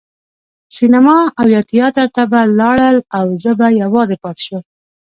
سینما او یا تیاتر ته به لاړل او زه به یوازې پاتې شوم.